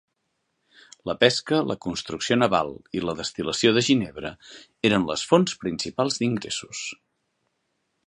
La pesca, la construcció naval i la destil·lació de ginebra eren les fonts principals d'ingressos.